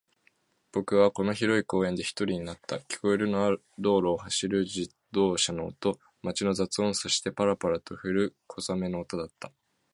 僕はこの広い公園で一人になった。聞こえるのは道路を走る自動車の音、街の雑音、そして、パラパラと降る小雨の音だった。